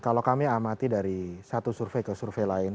kalau kami amati dari satu survei ke survei lain